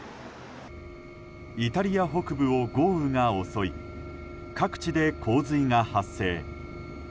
イタリア北部を豪雨が襲い各地で洪水が発生。